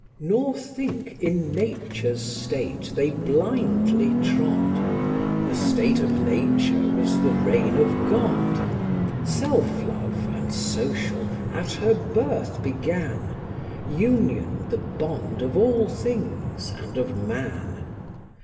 IV. Nor think, in Nature's state they blindly trod; The state of nature was the reign of God: Self love and social at her birth began, Union the bond of all things, and of man.